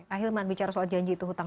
pak hilman bicara soal janji itu hutang